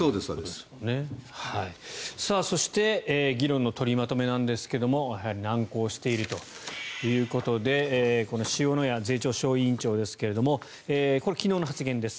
そして議論の取りまとめですが難航しているということでこの塩谷税調小委員長ですが昨日の発言です。